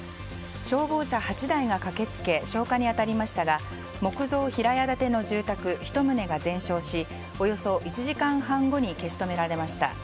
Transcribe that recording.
消防車８台が駆けつけ消火に当たりましたが木造平屋建ての住宅１棟が全焼しおよそ１時間半後に消し止められました。